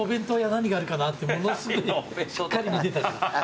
何があるかなってものすごいしっかり見てたから。